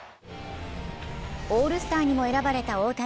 オールスターにも選ばれた大谷。